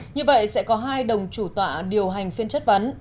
như vậy sẽ có hai đồng chủ tọa điều hành phiên chất vấn